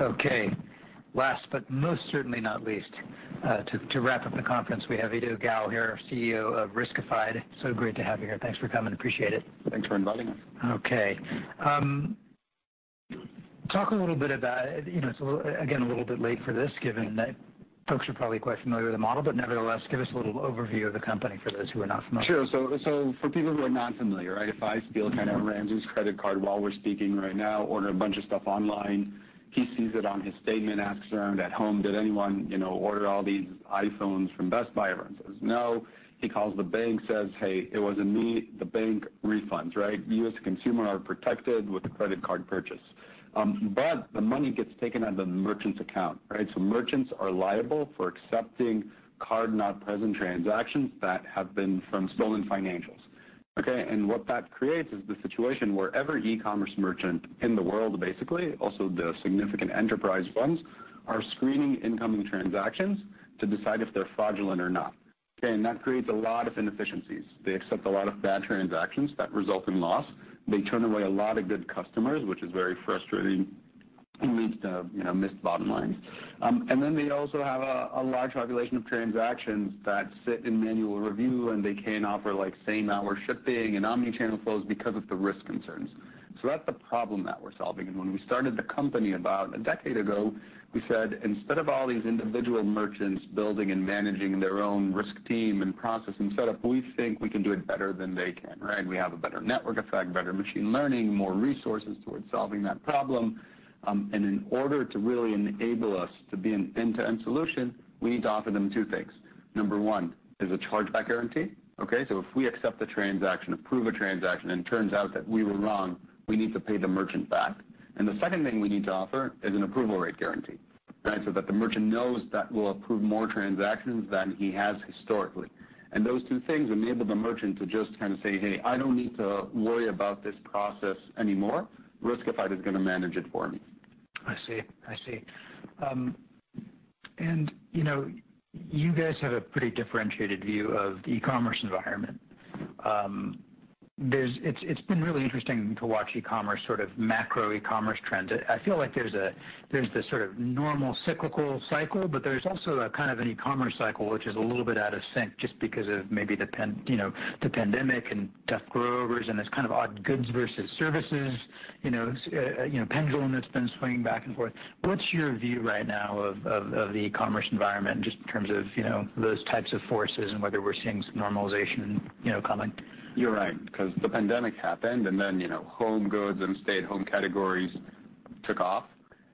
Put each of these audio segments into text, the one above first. Okay, last but most certainly not least, to wrap up the conference, we have Eido Gal here, CEO of Riskified. So great to have you here. Thanks for coming. Appreciate it. Thanks for inviting us. Okay. Talk a little bit about, you know, it's a little, again, a little bit late for this, given that folks are probably quite familiar with the model, but nevertheless, give us a little overview of the company for those who are not familiar. Sure. So for people who are not familiar, right, if I steal kind of Ramsey's credit card while we're speaking right now, order a bunch of stuff online, he sees it on his statement, asks around at home, "Did anyone, you know, order all these iPhones from Best Buy?" Everyone says, "No." He calls the bank, says, "Hey, it wasn't me." The bank refunds, right? You, as a consumer, are protected with a credit card purchase. But the money gets taken out of the merchant's account, right? So merchants are liable for accepting card-not-present transactions that have been from stolen financials, okay? And what that creates is the situation where every e-commerce merchant in the world, basically, also the significant enterprise ones, are screening incoming transactions to decide if they're fraudulent or not, okay? And that creates a lot of inefficiencies. They accept a lot of bad transactions that result in loss. They turn away a lot of good customers, which is very frustrating and leads to, you know, missed bottom lines. And then they also have a large population of transactions that sit in manual review, and they can't offer, like, same-hour shipping and omni-channel flows because of the risk concerns. So that's the problem that we're solving. And when we started the company about a decade ago, we said, "Instead of all these individual merchants building and managing their own risk team and process and setup, we think we can do it better than they can," right? We have a better network effect, better machine learning, more resources towards solving that problem. And in order to really enable us to be an end-to-end solution, we need to offer them two things. Number one is a Chargeback Guarantee, okay? So if we accept the transaction, approve a transaction, and it turns out that we were wrong, we need to pay the merchant back. And the second thing we need to offer is an Approval Rate Guarantee, right? So that the merchant knows that we'll approve more transactions than he has historically. And those two things enable the merchant to just kind of say, "Hey, I don't need to worry about this process anymore. Riskified is going to manage it for me. I see. I see, and you know, you guys have a pretty differentiated view of the e-commerce environment. It's been really interesting to watch e-commerce, sort of macro e-commerce trends. I feel like there's this sort of normal cyclical cycle, but there's also a kind of an e-commerce cycle, which is a little bit out of sync just because of maybe the pandemic and tough growers, and this kind of odd goods versus services, you know, pendulum that's been swinging back and forth. What's your view right now of the e-commerce environment, just in terms of, you know, those types of forces and whether we're seeing some normalization, you know, coming? You're right, 'cause the pandemic happened, and then, you know, home goods and stay-at-home categories took off.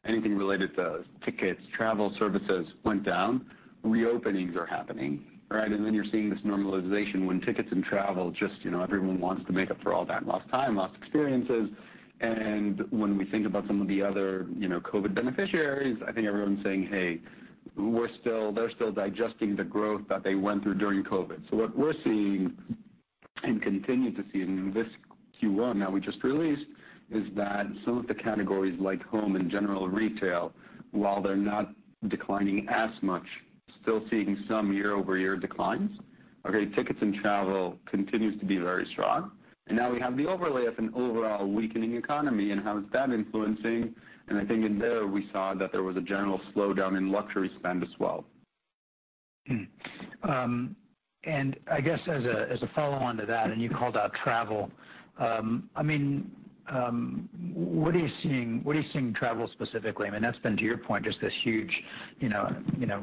Anything related to tickets, travel, services went down. Reopening's are happening, right? And then you're seeing this normalization when tickets and travel just, you know, everyone wants to make up for all that lost time, lost experiences. And when we think about some of the other, you know, COVID beneficiaries, I think everyone's saying, "Hey, we're still-- they're still digesting the growth that they went through during COVID." So what we're seeing, and continue to see even in this Q1 that we just released, is that some of the categories, like home and general retail, while they're not declining as much, still seeing some year-over-year declines. Okay, tickets and travel continues to be very strong. And now we have the overlay of an overall weakening economy, and how is that influencing? I think in there we saw that there was a general slowdown in luxury spend as well. Hmm. And I guess as a follow-on to that, and you called out travel, I mean, what are you seeing in travel specifically? I mean, that's been, to your point, just this huge, you know, you know,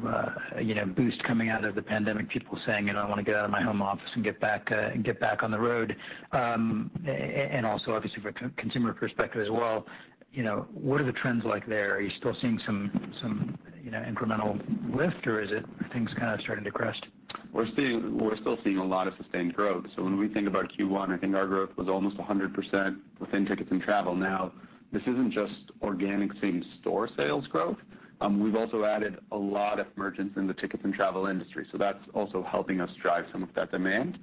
you know, boost coming out of the pandemic, people saying, "You know, I want to get out of my home office and get back and get back on the road." And also obviously from a consumer perspective as well, you know, what are the trends like there? Are you still seeing some, you know, incremental lift, or are things kind of starting to crest? We're still seeing a lot of sustained growth. So when we think about Q1, I think our growth was almost 100% within tickets and travel. Now, this isn't just organic same-store sales growth. We've also added a lot of merchants in the tickets and travel industry, so that's also helping us drive some of that demand.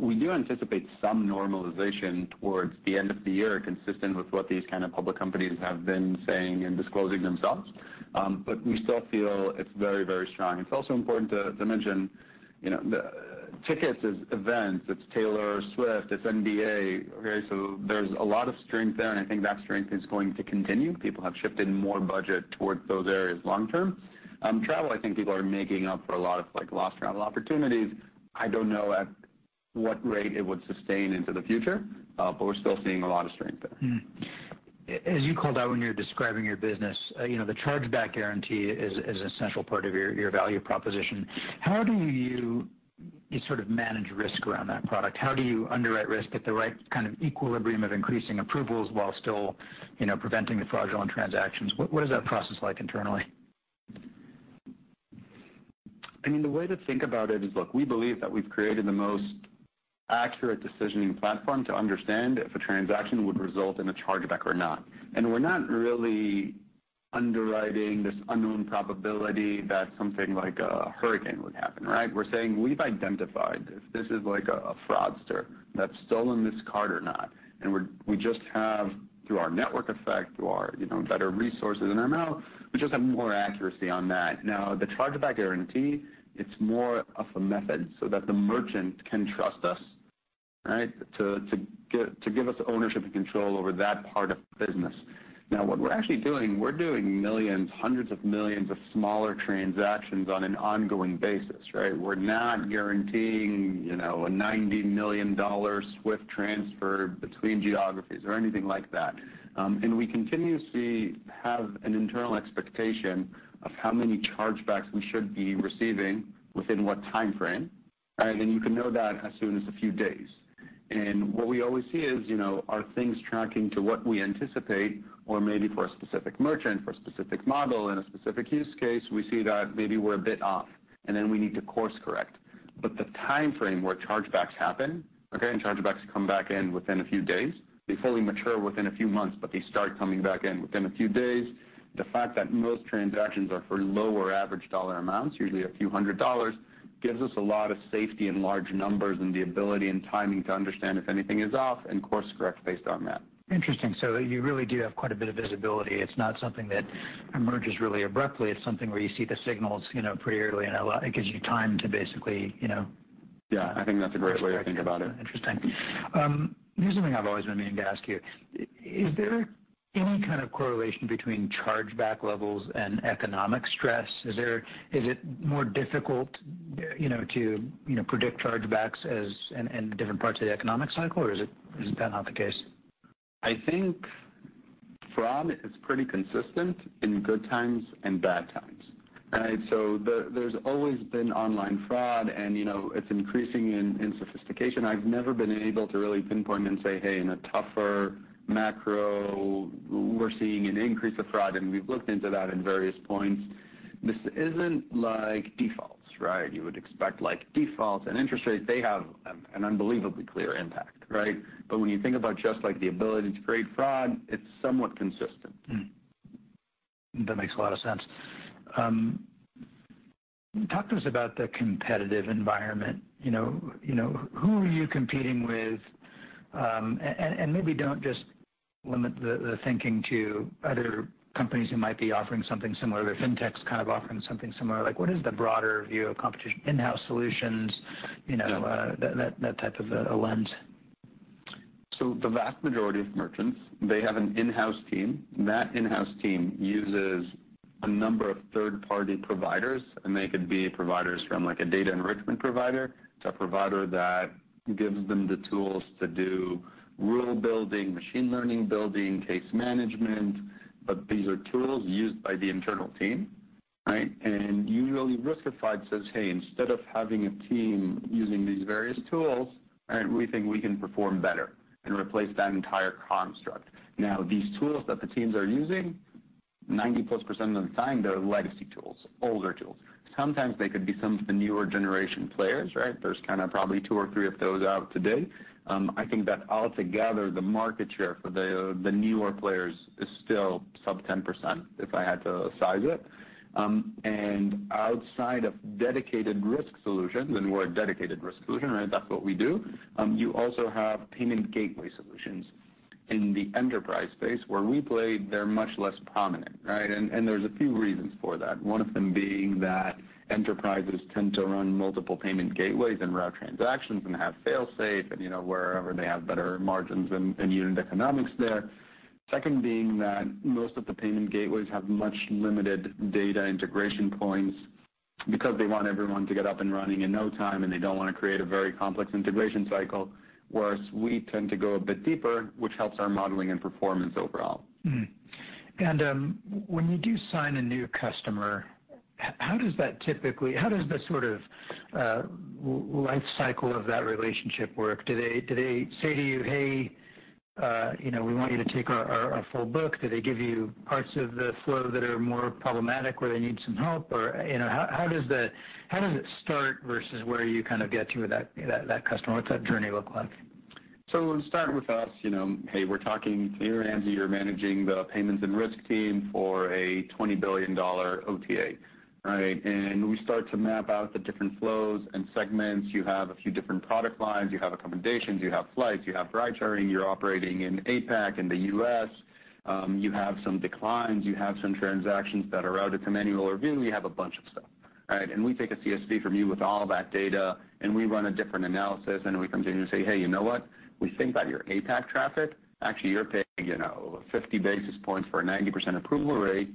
We do anticipate some normalization towards the end of the year, consistent with what these kind of public companies have been saying and disclosing themselves. But we still feel it's very, very strong. It's also important to mention, you know, the tickets is events. It's Taylor SWIFT, it's NBA, okay? So there's a lot of strength there, and I think that strength is going to continue. People have shifted more budget towards those areas long term. Travel, I think people are making up for a lot of, like, lost travel opportunities. I don't know at what rate it would sustain into the future, but we're still seeing a lot of strength there. As you called out when you were describing your business, you know, the Chargeback Guarantee is an essential part of your value proposition. How do you sort of manage risk around that product? How do you underwrite risk at the right kind of equilibrium of increasing approvals while still, you know, preventing the fraudulent transactions? What is that process like internally? I mean, the way to think about it is, look, we believe that we've created the most accurate decisioning platform to understand if a transaction would result in a chargeback or not. And we're not really underwriting this unknown probability that something like a hurricane would happen, right? We're saying we've identified if this is, like, a fraudster that's stolen this card or not. And we just have, through our network effect, through our, you know, better resources and our amount, we just have more accuracy on that. Now, the Chargeback Guarantee, it's more of a method so that the merchant can trust us, right? To give us ownership and control over that part of the business. Now, what we're actually doing, we're doing millions, hundreds of millions of smaller transactions on an ongoing basis, right? We're not guaranteeing, you know, a $90 million SWIFT transfer between geographies or anything like that. And we continuously have an internal expectation of how many chargebacks we should be receiving within what time frame, right? And you can know that as soon as a few days. And what we always see is, you know, are things tracking to what we anticipate or maybe for a specific merchant, for a specific model, in a specific use case, we see that maybe we're a bit off, and then we need to course correct. But the time frame where chargebacks happen, okay, and chargebacks come back in within a few days. They fully mature within a few months, but they start coming back in within a few days. The fact that most transactions are for lower average dollar amounts, usually a few hundred dollars, gives us a lot of safety in large numbers and the ability and timing to understand if anything is off and course correct based on that. Interesting. So you really do have quite a bit of visibility. It's not something that emerges really abruptly. It's something where you see the signals, you know, pretty early and a lot. It gives you time to basically, you know- Yeah, I think that's a great way to think about it. Interesting. Here's something I've always been meaning to ask you. Is there any kind of correlation between chargeback levels and economic stress? Is it more difficult, you know, to, you know, predict chargebacks as in different parts of the economic cycle, or is it, is that not the case? I think fraud is pretty consistent in good times and bad times, right? So there's always been online fraud, and, you know, it's increasing in, in sophistication. I've never been able to really pinpoint and say, "Hey, in a tougher macro, we're seeing an increase of fraud," and we've looked into that in various points. This isn't like defaults, right? You would expect, like defaults and interest rates, they have an unbelievably clear impact, right? But when you think about just like the ability to create fraud, it's somewhat consistent. Mm. That makes a lot of sense. Talk to us about the competitive environment. You know, you know, who are you competing with? And maybe don't just limit the thinking to other companies who might be offering something similar, the fintechs kind of offering something similar. Like, what is the broader view of competition, in-house solutions, you know, that type of a lens? So the vast majority of merchants, they have an in-house team. That in-house team uses a number of third-party providers, and they could be providers from like a data enrichment provider to a provider that gives them the tools to do rule building, machine learning building, case management. But these are tools used by the internal team, right? And usually, Riskified says, "Hey, instead of having a team using these various tools, right, we think we can perform better and replace that entire construct." Now, these tools that the teams are using, 90%+ of the time, they're legacy tools, older tools. Sometimes they could be some of the newer generation players, right? There's kind of probably two or three of those out today. I think that altogether, the market share for the newer players is still sub-10%, if I had to size it. And outside of dedicated risk solutions, and we're a dedicated risk solution, right, that's what we do, you also have payment gateway solutions. In the enterprise space, where we play, they're much less prominent, right? And there's a few reasons for that. One of them being that enterprises tend to run multiple payment gateways and route transactions and have fail-safe, and, you know, wherever they have better margins and unit economics there. Second being that most of the payment gateways have much limited data integration points because they want everyone to get up and running in no time, and they don't want to create a very complex integration cycle, whereas we tend to go a bit deeper, which helps our modeling and performance overall. And, when you do sign a new customer, how does that typically, how does the sort of life cycle of that relationship work? Do they say to you, "Hey, you know, we want you to take our full book?" Do they give you parts of the flow that are more problematic, where they need some help? Or, you know, how does it start versus where you kind of get to with that customer? What's that journey look like? Start with us, you know, hey, we're talking to you, Ramsey, you're managing the payments and risk team for a $20 billion OTA, right? And we start to map out the different flows and segments. You have a few different product lines, you have accommodations, you have flights, you have ride-sharing, you're operating in APAC, in the US. You have some declines, you have some transactions that are out at the manual review. You have a bunch of stuff, right? And we take a CSV from you with all that data, and we run a different analysis, and we come to you and say, "Hey, you know what? We think that your APAC traffic, actually, you're paying, you know, 50 basis points for a 90% approval rate.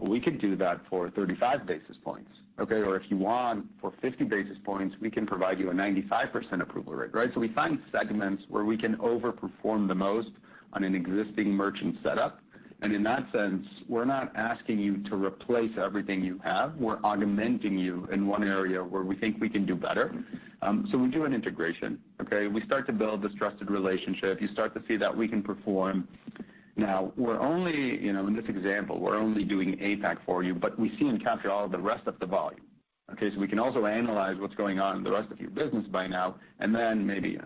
We could do that for 35 basis points, okay? Or if you want, for 50 basis points, we can provide you a 95% approval rate," right? So we find segments where we can overperform the most on an existing merchant setup. And in that sense, we're not asking you to replace everything you have. We're augmenting you in one area where we think we can do better. So we do an integration, okay? We start to build this trusted relationship. You start to see that we can perform. Now, we're only, you know, in this example, we're only doing APAC for you, but we see and capture all of the rest of the volume, okay? So we can also analyze what's going on in the rest of your business by now, and then maybe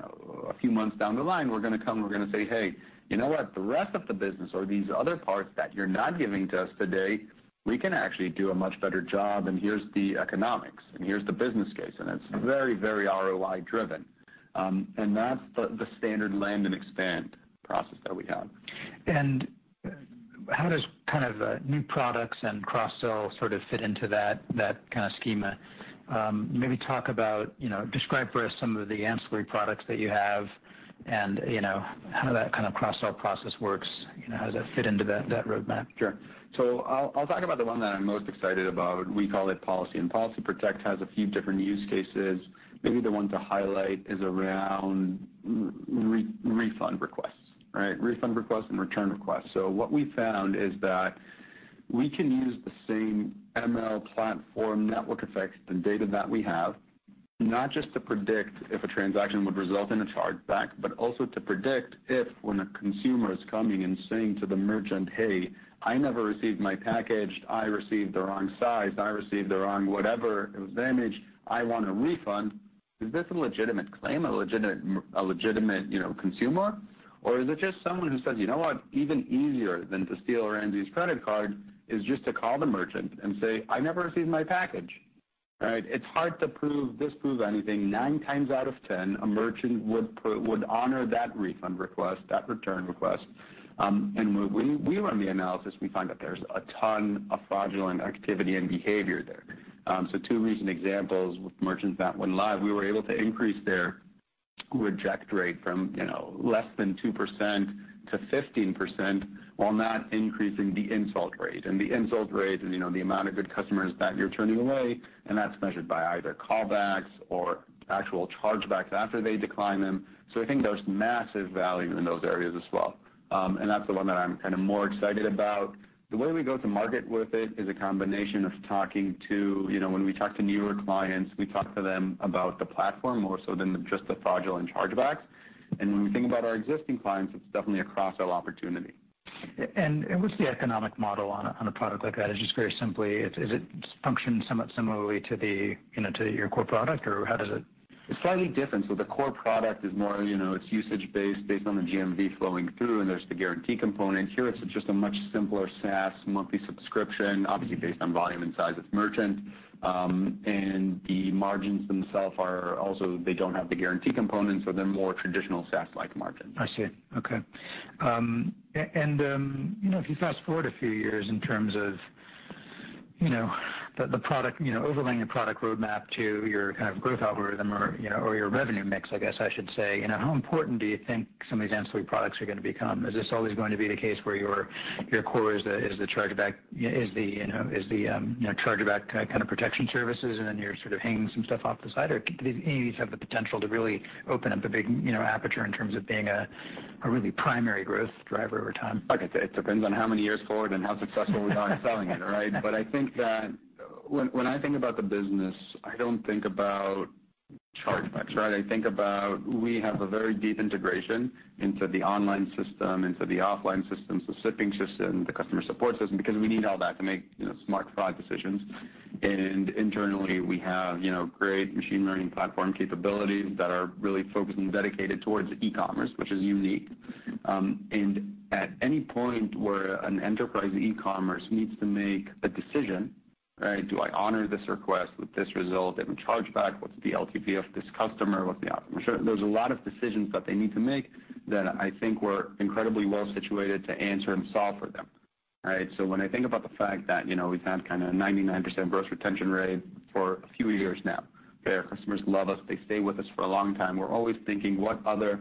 a few months down the line, we're going to come, we're going to say, "Hey, you know what? The rest of the business or these other parts that you're not giving to us today, we can actually do a much better job, and here's the economics, and here's the business case." And it's very, very ROI driven. And that's the standard land and expand process that we have.... how does kind of new products and cross-sell sort of fit into that, that kind of schema? Maybe talk about, you know, describe for us some of the ancillary products that you have and, you know, how that kind of cross-sell process works, you know, how does that fit into that, that roadmap? Sure. So I'll talk about the one that I'm most excited about. We call it Policy, and Policy Protect has a few different use cases. Maybe the one to highlight is around refund requests, right? Refund requests and return requests. So what we found is that we can use the same ML platform network effects, the data that we have, not just to predict if a transaction would result in a chargeback, but also to predict if when a consumer is coming and saying to the merchant, "Hey, I never received my package. I received the wrong size. I received the wrong whatever. It was damaged. I want a refund." Is this a legitimate claim, a legitimate consumer? Or is it just someone who says, "You know what? Even easier than to steal Ramsey's credit card is just to call the merchant and say, "I never received my package." Right? It's hard to prove, disprove anything. Nine times out of 10, a merchant would honor that refund request, that return request. And when we run the analysis, we find that there's a ton of fraudulent activity and behavior there. So two recent examples with merchants that went live, we were able to increase their reject rate from, you know, less than 2%-15% while not increasing the insult rate. And the insult rate is, you know, the amount of good customers that you're turning away, and that's measured by either callbacks or actual chargebacks after they decline them. So I think there's massive value in those areas as well. And that's the one that I'm kind of more excited about. The way we go to market with it is a combination of talking to... You know, when we talk to newer clients, we talk to them about the platform more so than just the fraudulent chargebacks. And when we think about our existing clients, it's definitely a cross-sell opportunity. What's the economic model on a product like that? Is it just very simply, does it function somewhat similarly to the, you know, to your core product, or how does it? It's slightly different. So the core product is more, you know, it's usage based, based on the GMV flowing through, and there's the guarantee component. Here, it's just a much simpler SaaS monthly subscription, obviously based on volume and size of merchant. And the margins themselves are also, they don't have the guarantee component, so they're more traditional SaaS-like margins. I see. Okay. And you know, if you fast-forward a few years in terms of the product, you know, overlaying a product roadmap to your kind of growth algorithm or your revenue mix, I guess I should say, you know, how important do you think some of these ancillary products are going to become? Is this always going to be the case where your core is the chargeback kind of protection services, and then you're sort of hanging some stuff off the side? Or do any of these have the potential to really open up a big, you know, aperture in terms of being a really primary growth driver over time? Like I say, it depends on how many years forward and how successful we are in selling it, right? But I think that when I think about the business, I don't think about chargebacks, right? I think about we have a very deep integration into the online system, into the offline system, the shipping system, the customer support system, because we need all that to make, you know, smart fraud decisions. And internally, we have, you know, great machine learning platform capabilities that are really focused and dedicated towards e-commerce, which is unique. And at any point where an enterprise e-commerce needs to make a decision, right, do I honor this request? Will this result in a chargeback? What's the LTV of this customer? What's the option? There's a lot of decisions that they need to make that I think we're incredibly well situated to answer and solve for them, right? So when I think about the fact that, you know, we've had kind of a 99% gross retention rate for a few years now, okay? Our customers love us. They stay with us for a long time. We're always thinking, what other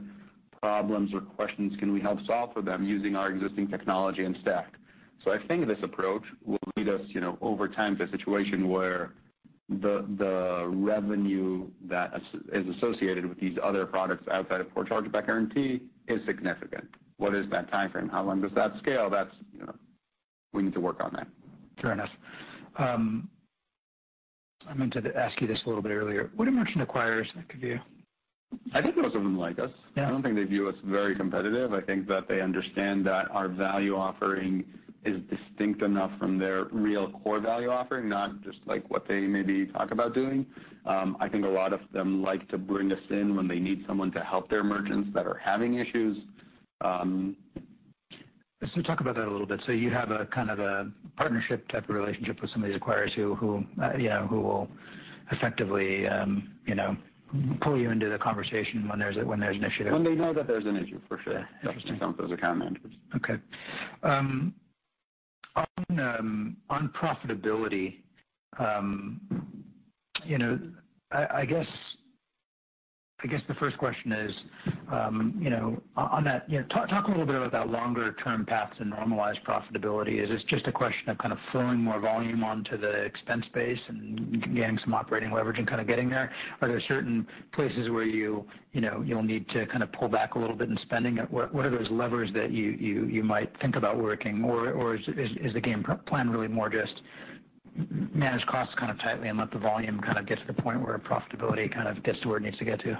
problems or questions can we help solve for them using our existing technology and stack? So I think this approach will lead us, you know, over time, to a situation where the revenue that is associated with these other products outside of core Chargeback Guarantee is significant. What is that timeframe? How long does that scale? That's, you know, we need to work on that. Fair enough. I meant to ask you this a little bit earlier. What do merchant acquirers think of you? I think most of them like us. Yeah. I don't think they view us very competitive. I think that they understand that our value offering is distinct enough from their real core value offering, not just like what they maybe talk about doing. I think a lot of them like to bring us in when they need someone to help their merchants that are having issues. So talk about that a little bit. So you have a kind of a partnership type of relationship with some of these acquirers who you know who will effectively you know pull you into the conversation when there's an issue. When they know that there's an issue, for sure. Interesting. Those account managers. Okay. On profitability, you know, I guess the first question is, you know, on that. You know, talk a little bit about that longer-term path to normalized profitability. Is this just a question of kind of throwing more volume onto the expense base and gaining some operating leverage and kind of getting there? Are there certain places where you, you know, you'll need to kind of pull back a little bit in spending? What are those levers that you might think about working? Or is the game plan really more just manage costs kind of tightly and let the volume kind of get to the point where profitability kind of gets to where it needs to get to?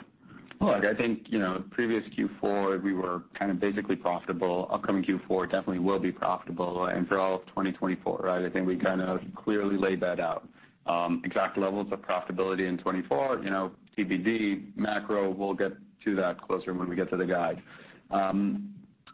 Look, I think, you know, previous Q4, we were kind of basically profitable. Upcoming Q4 definitely will be profitable and for all of 2024, right? I think we kind of clearly laid that out. Exact levels of profitability in 2024, you know, TBD. Macro, we'll get to that closer when we get to the guide.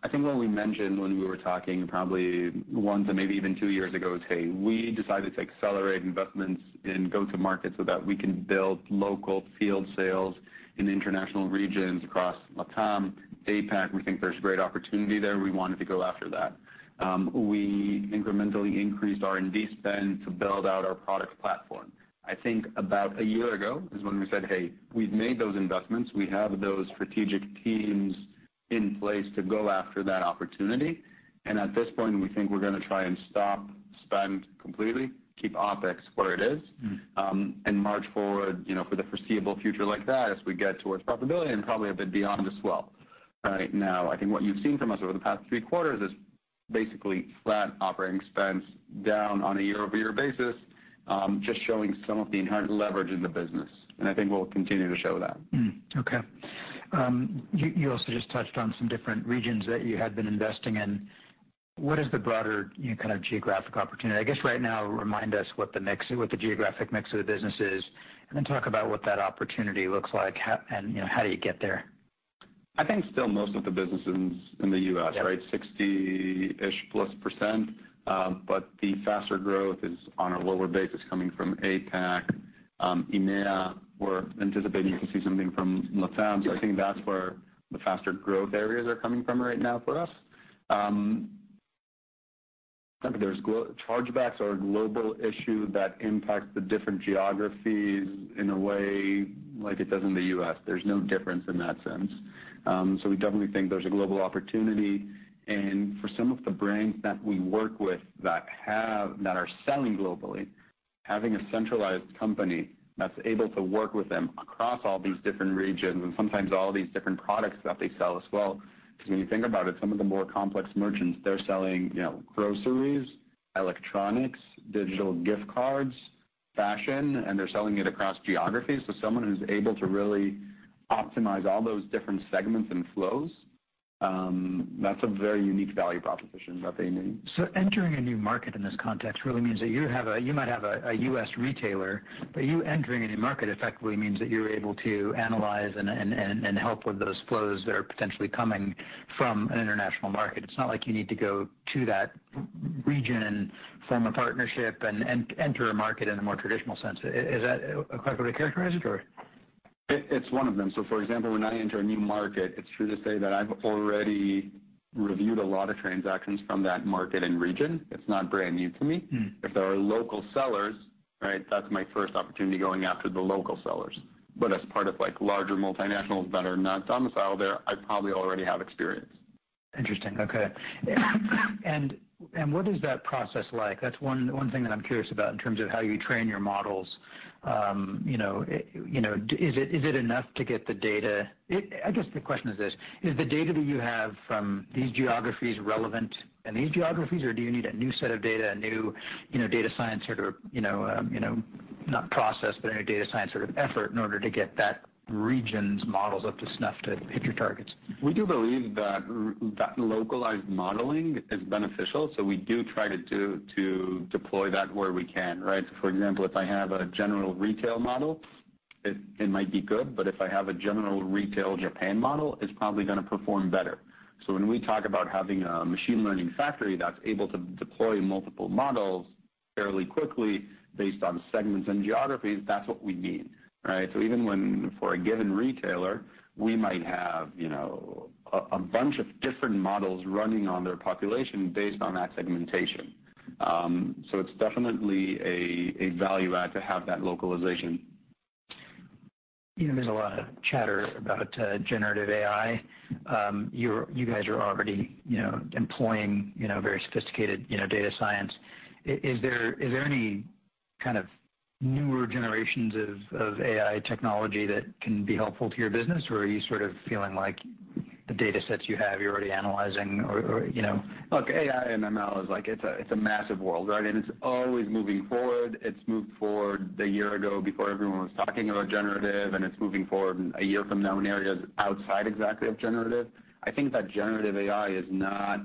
I think what we mentioned when we were talking, probably one to maybe even two years ago, is, hey, we decided to accelerate investments and go-to-market so that we can build local field sales in international regions across LATAM, APAC. We think there's great opportunity there. We wanted to go after that. We incrementally increased R&D spend to build out our product platform... I think about a year ago is when we said, "Hey, we've made those investments. We have those strategic teams in place to go after that opportunity." And at this point, we think we're gonna try and stop spend completely, keep OpEx where it is, and march forward, you know, for the foreseeable future like that as we get towards profitability and probably a bit beyond as well. Right now, I think what you've seen from us over the past three quarters is basically flat operating expense, down on a year-over-year basis, just showing some of the inherent leverage in the business, and I think we'll continue to show that. Mm-hmm. Okay. You also just touched on some different regions that you had been investing in. What is the broader, you know, kind of geographic opportunity? I guess right now, remind us what the geographic mix of the business is, and then talk about what that opportunity looks like, how and, you know, how do you get there? I think still most of the business is in the U.S., right? Yep. 60%+, but the faster growth is on a lower base. It's coming from APAC, EMEA. We're anticipating to see something from LATAM. Yeah. So I think that's where the faster growth areas are coming from right now for us. Chargebacks are a global issue that impacts the different geographies in a way like it does in the US. There's no difference in that sense. So we definitely think there's a global opportunity. And for some of the brands that we work with that are selling globally, having a centralized company that's able to work with them across all these different regions and sometimes all these different products that they sell as well, because when you think about it, some of the more complex merchants, they're selling, you know, groceries, electronics, digital gift cards, fashion, and they're selling it across geographies. So someone who's able to really optimize all those different segments and flows, that's a very unique value proposition that they need. So entering a new market in this context really means that you might have a US retailer, but you entering a new market effectively means that you're able to analyze and help with those flows that are potentially coming from an international market. It's not like you need to go to that region and form a partnership and enter a market in a more traditional sense. Is that a correct way to characterize it, or? It's one of them. So for example, when I enter a new market, it's true to say that I've already reviewed a lot of transactions from that market and region. It's not brand new to me. Mm. If there are local sellers, right, that's my first opportunity going after the local sellers. But as part of, like, larger multinationals that are not domiciled there, I probably already have experience. Interesting. Okay. And what is that process like? That's one thing that I'm curious about in terms of how you train your models. You know, you know, is it enough to get the data. I guess the question is this: Is the data that you have from these geographies relevant in these geographies, or do you need a new set of data, a new, you know, data science sort of, you know, not process, but a data science sort of effort in order to get that region's models up to snuff to hit your targets? We do believe that that localized modeling is beneficial, so we do try to do to deploy that where we can, right? For example, if I have a general retail model, it might be good, but if I have a general retail Japan model, it's probably gonna perform better. So when we talk about having a machine learning factory that's able to deploy multiple models fairly quickly based on segments and geographies, that's what we mean, right? So even when, for a given retailer, we might have, you know, a bunch of different models running on their population based on that segmentation. So it's definitely a value add to have that localization. You know, there's a lot of chatter about generative AI. You guys are already, you know, employing, you know, very sophisticated, you know, data science. Is there any kind of newer generations of AI technology that can be helpful to your business, or are you sort of feeling like the data sets you have, you're already analyzing or, you know? Look, AI and ML is like, it's a, it's a massive world, right, and it's always moving forward. It's moved forward a year ago before everyone was talking about generative, and it's moving forward a year from now in areas outside exactly of generative. I think that generative AI is not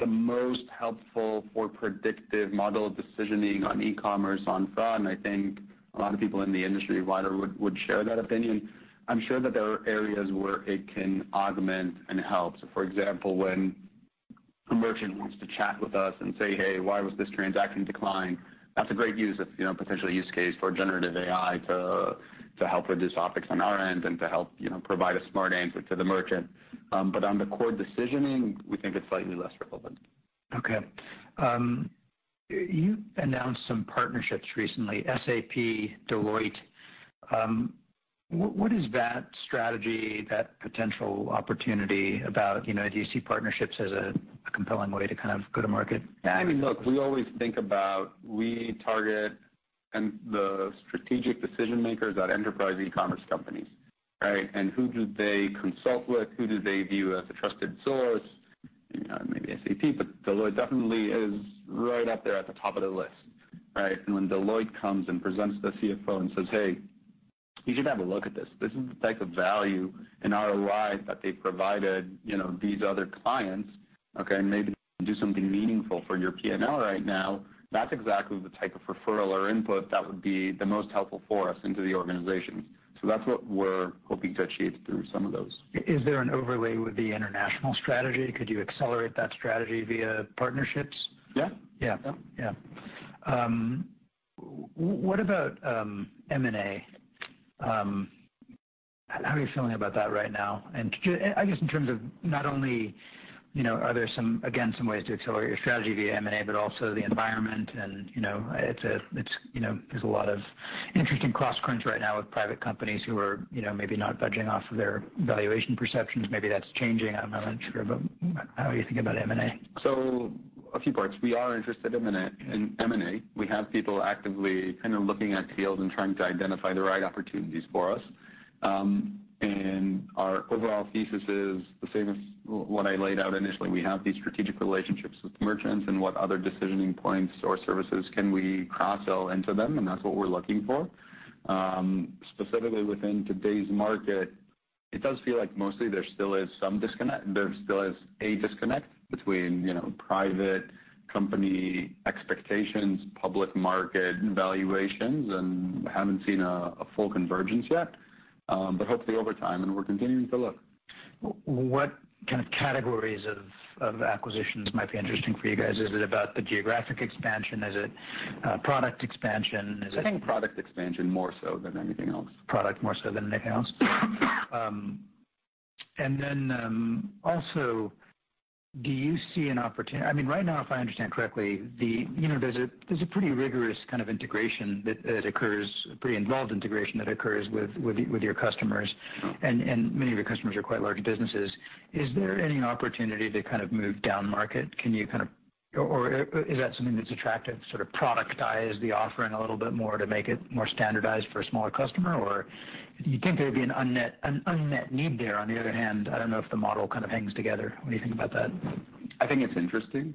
the most helpful for predictive model decisioning on e-commerce, on fraud, and I think a lot of people in the industry-wide would share that opinion. I'm sure that there are areas where it can augment and help, so for example, when a merchant wants to chat with us and say, "Hey, why was this transaction declined?" That's a great use of, you know, potential use case for generative AI to help reduce OpEx on our end and to help, you know, provide a smart answer to the merchant. But on the core decisioning, we think it's slightly less relevant. Okay. You announced some partnerships recently, SAP, Deloitte. What is that strategy, that potential opportunity about? You know, do you see partnerships as a compelling way to kind of go to market? Yeah, I mean, look, we always think about, we target the strategic decision makers at enterprise e-commerce companies, right? And who do they consult with? Who do they view as a trusted source? Maybe SAP, but Deloitte definitely is right up there at the top of the list, right? And when Deloitte comes and presents the CFO and says, "Hey, you should have a look at this. This is the type of value and ROI that they provided, you know, these other clients. Okay, maybe do something meaningful for your P&L right now," that's exactly the type of referral or input that would be the most helpful for us into the organization. So that's what we're hoping to achieve through some of those. Is there an overlay with the international strategy? Could you accelerate that strategy via partnerships? Yeah. Yeah. Yep. Yeah. What about M&A? How are you feeling about that right now? And I, I guess in terms of not only, you know, are there some, again, some ways to accelerate your strategy via M&A, but also the environment and, you know, it's, you know, there's a lot of interesting cross currents right now with private companies who are, you know, maybe not budging off of their valuation perceptions. Maybe that's changing. I'm not sure, but how are you thinking about M&A? So a few parts. We are interested in M&A. We have people actively kind of looking at deals and trying to identify the right opportunities for us. And our overall thesis is the same as what I laid out initially. We have these strategic relationships with merchants, and what other decisioning points or services can we cross-sell into them, and that's what we're looking for. Specifically within today's market, it does feel like mostly there still is some disconnect. There still is a disconnect between, you know, private company expectations, public market valuations, and we haven't seen a full convergence yet, but hopefully over time, and we're continuing to look. What kind of categories of acquisitions might be interesting for you guys? Is it about the geographic expansion? Is it product expansion? Is it- I think product expansion more so than anything else. Product more so than anything else. And then, also, do you see an opportunity? I mean, right now, if I understand correctly, you know, there's a pretty rigorous kind of integration that occurs, pretty involved integration that occurs with your customers, and many of your customers are quite large businesses. Is there any opportunity to kind of move down market? Can you kind of? Or is that something that's attractive, sort of productize the offering a little bit more to make it more standardized for a smaller customer, or do you think there would be an unmet need there? On the other hand, I don't know if the model kind of hangs together. What do you think about that? I think it's interesting.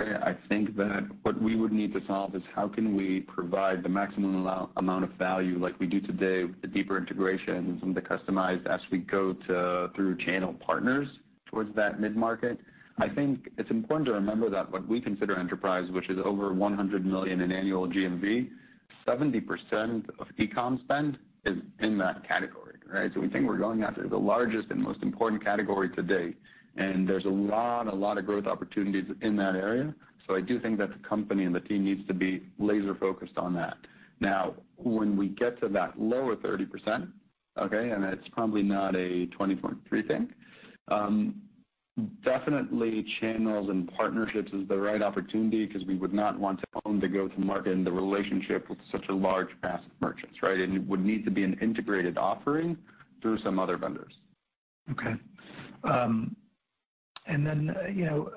Yeah. I think that what we would need to solve is how can we provide the maximum amount of value like we do today with the deeper integration and some of the customized as we go to, through channel partners towards that mid-market. I think it's important to remember that what we consider enterprise, which is over 100 million in annual GMV, 70% of e-com spend is in that category, right? So we think we're going after the largest and most important category to date, and there's a lot, a lot of growth opportunities in that area. So I do think that the company and the team needs to be laser-focused on that. Now, when we get to that lower 30%, okay, and it's probably not a 2023 thing, definitely channels and partnerships is the right opportunity because we would not want to own the go-to-market and the relationship with such a large basket of merchants, right? And it would need to be an integrated offering through some other vendors. Okay. And then, you know,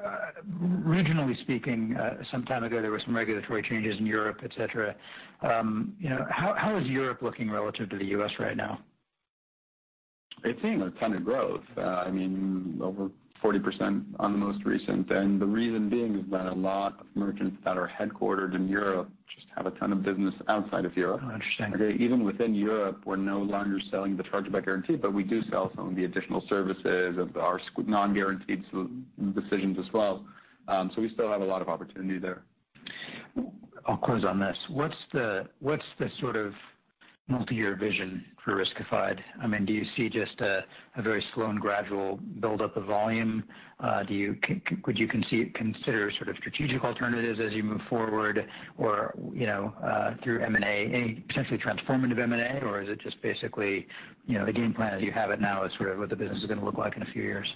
regionally speaking, some time ago, there were some regulatory changes in Europe, et cetera. You know, how is Europe looking relative to the U.S. right now? It's seeing a ton of growth. I mean, over 40% on the most recent, and the reason being is that a lot of merchants that are headquartered in Europe just have a ton of business outside of Europe. Oh, interesting. Even within Europe, we're no longer selling the Chargeback Guarantee, but we do sell some of the additional services of our non-guaranteed decisions as well. So we still have a lot of opportunity there. I'll close on this. What's the sort of multi-year vision for Riskified? I mean, do you see just a very slow and gradual build-up of volume? Do you consider sort of strategic alternatives as you move forward, or, you know, through M&A, any potentially transformative M&A, or is it just basically, you know, the game plan as you have it now is sort of what the business is going to look like in a few years?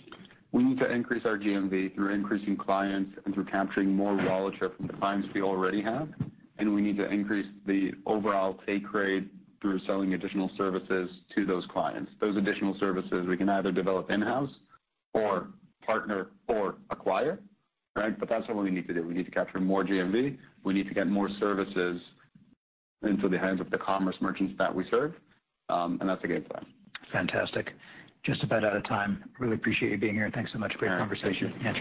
We need to increase our GMV through increasing clients and through capturing more wallet share from the clients we already have, and we need to increase the overall take rate through selling additional services to those clients. Those additional services we can either develop in-house or partner or acquire, right? But that's what we need to do. We need to capture more GMV. We need to get more services into the hands of the commerce merchants that we serve, and that's the game plan. Fantastic. Just about out of time. Really appreciate you being here, and thanks so much. Great. Great conversation. Thanks.